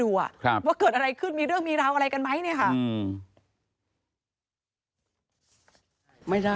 ว่าเกิดอะไรขึ้นมีเรื่องมีราวอะไรกันไหม